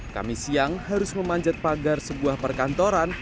kami siang harus memanjat pagar sebuah perkantoran